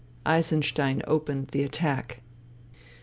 Eisenstein opened the attack.